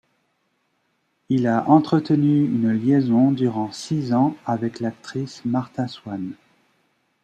Il a entretenu une liaison durant six ans avec l'actrice Martha Swann.